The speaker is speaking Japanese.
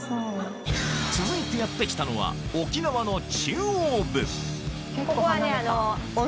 続いてやって来たのは沖縄の中央部お！